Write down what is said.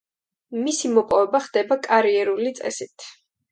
მისი მოპოვება ხდება კარიერული წესით.